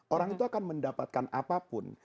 orang itu akan mendapatkan apapun